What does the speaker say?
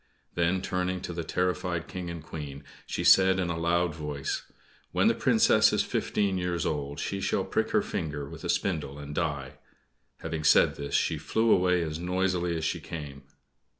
Then, turning to the terrified King and Queen, she said, in a loud voice: "When the Princess is fifteen years old she shall prick her finger with a spindle and die!" Having said this she flew away as noisily as she came.